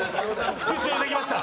復讐できました